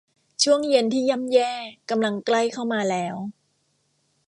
ช่วงเย็นที่ย่ำแย่กำลังใกล้เข้ามาแล้ว